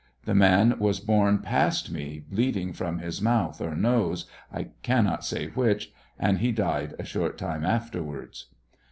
The man was borne past me, bleeding from his mouth or nose, I cannot s; which, and he died a short time afterwards.